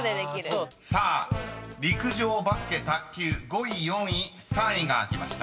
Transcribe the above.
［さあ「陸上」「バスケ」「卓球」５位４位３位が開きました］